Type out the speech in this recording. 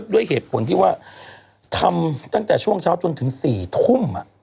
ด้วยเหตุผลที่ว่าทำตั้งแต่ช่วงเช้าจนถึง๔ทุ่ม